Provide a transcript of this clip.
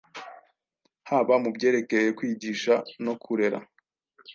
haba mu byerekeye kwigisha no kurera,